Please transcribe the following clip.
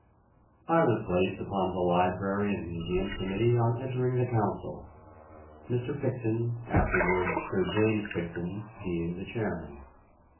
] I was placed upon the Library and Museum Committee on entering the Council, Mr. Picton, afterwards Sir James Picton, being the chairman.